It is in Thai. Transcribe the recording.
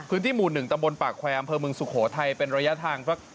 พื้นที่หมู่หนึ่งตะบนปากแควร์อำเภอเมืองสุโขทัยเป็นระยะทางเพราะ